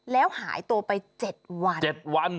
แล้วหายตัวไป๗วัน